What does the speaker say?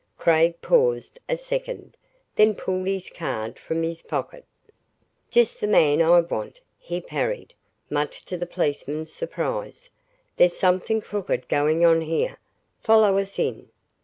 Craig paused a second, then pulled his card from his pocket. "Just the man I want," he parried, much to the policeman's surprise, "There's something crooked going on here. Follow us in."